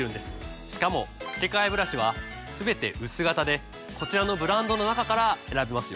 しかも付け替えブラシはすべて薄型でこちらのブランドの中から選べますよ。